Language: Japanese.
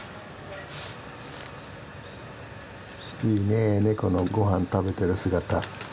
いいねネコのごはん食べてる姿。